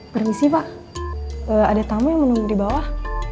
permisi pak ada tamu yang menunggu di bawah